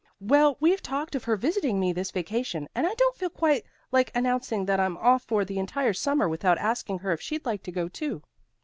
Well, we've talked of her visiting me this vacation, and I don't feel quite like announcing that I'm going off for the entire summer without asking her if she'd like to go too."